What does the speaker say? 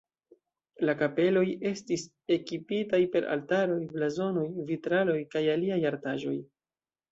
La kapeloj estis ekipitaj per altaroj, blazonoj, vitraloj kaj aliaj artaĵoj.